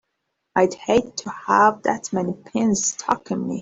I'd hate to have that many pins stuck in me!